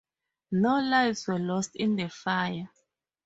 No lives were lost in the fire.